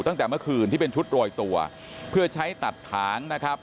ตั้งแต่เมื่อคืนที่เป็นชุดโรยตัวเพื่อใช้ตัดถางนะครับ